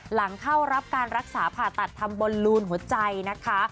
หลังเข้ารับการรักษาผ่าตัดทำบนลูนหัวใจนะคะ